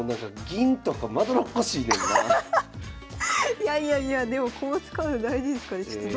いやいやいやでも駒使うの大事ですからね。